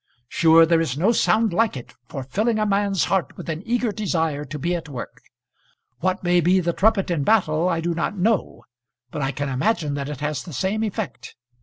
Sure there is no sound like it for filling a man's heart with an eager desire to be at work. What may be the trumpet in battle I do not know, but I can imagine that it has the same effect.